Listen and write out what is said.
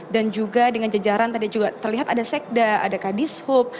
dan juga dengan jajaran tadi juga terlihat ada sekda ada kadishub